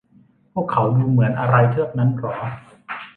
พวกเขาดูเหมือนอะไรเทือกนั้นหรอ ?